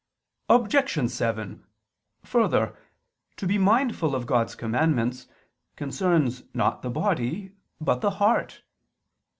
Obj. 7: Further, to be mindful of God's commandments concerns not the body but the heart.